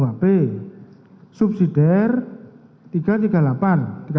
apa inti dari dakwaan ini